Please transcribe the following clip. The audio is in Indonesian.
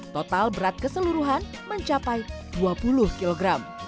total berat keseluruhan mencapai dua puluh kg